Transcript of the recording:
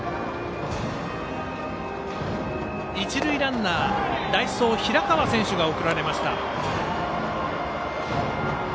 一塁ランナー、代走に平川選手が送られました。